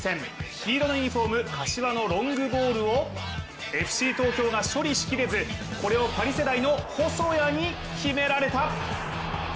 黄色のユニフォーム柏のロングボールをＦＣ東京が処理しきれず、これをパリ世代の細谷に決められた。